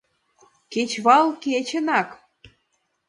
Кечывал кечынак!